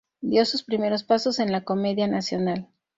Dio sus primeros pasos en la comedia nacional.